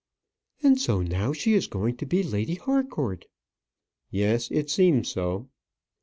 "And so now she is going to be Lady Harcourt?" "Yes; it seems so."